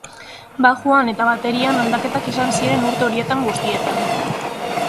Baxuan eta baterian aldaketak izan ziren urte horietan guztietan.